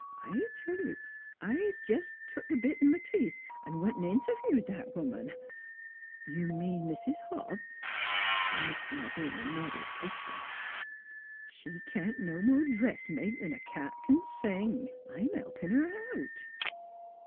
I'll tell you, I jes' took th' bit in m' teeth an' went 'n' interviewed that woman 4 You mean Mrs. Hobbs?" Miss Malvina nodded briskly. NEIGHBORS 121 " She can't no more dressmake 'n' a cat c'n sing. I'm helpin' her out."